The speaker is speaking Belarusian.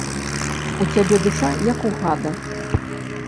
У цябе душа, як у гада.